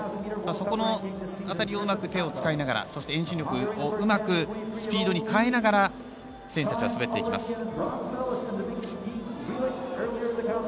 そこの辺りをうまく手を使いながら、遠心力をうまくスピードに変えながら選手たちは滑っていきます。